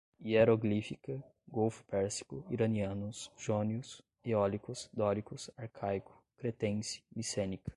hieroglífica, golfo pérsico, iranianos, jônios, eólicos, dóricos, arcaico, cretense, micênica